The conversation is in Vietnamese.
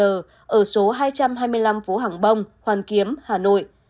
ở số hai trăm hai mươi năm phố hàng bông hoàn kiếm hà nội